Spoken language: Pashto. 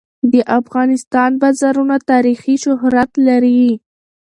د افغانستان بازارونه تاریخي شهرت لري.